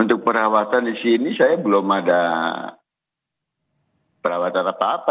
untuk perawatan di sini saya belum ada perawatan apa apa